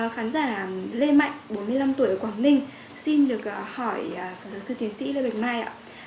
khán giả lê mạnh bốn mươi năm tuổi ở quảng ninh xin được hỏi phó giáo sư tiến sĩ lê bạch mai ạ